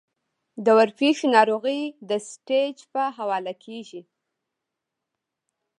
د ورپېښې ناروغۍ د سټېج پۀ حواله کيږي -